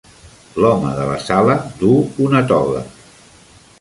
L'home de la sala duu una toga